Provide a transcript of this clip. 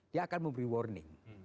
dia akan memberi warning